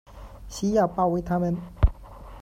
需要包围他们